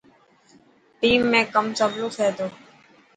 ٽيم ۾ ڪم سولو ٿي تو.